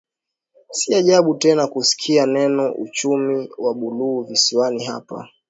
Si ajabu tena kusikia neno uchumi wa buluu visiwani hapa